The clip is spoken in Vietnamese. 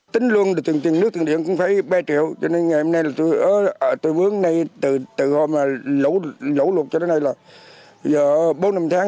tính luôn thì tiền điện nước cũng phải ba triệu cho nên ngày hôm nay tôi vướng này từ lỗ lục cho đến đây là bốn năm tháng